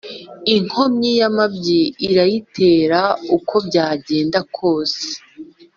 Inkomyi y’amabyi irayitera uko byagenda kose